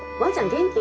元気？